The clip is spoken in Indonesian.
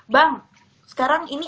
bang sekarang ini